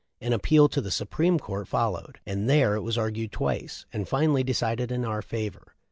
An appeal to the Supreme Court followed, and there it was argued twice, and finally decided in our favor.